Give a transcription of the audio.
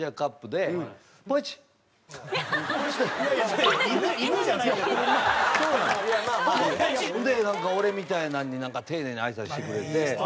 でなんか俺みたいなんに丁寧にあいさつしてくれて。